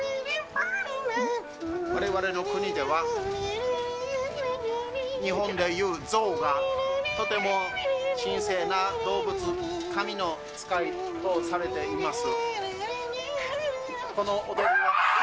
われわれの国では、日本でいう象が、とても神聖な動物、神の使いとされています。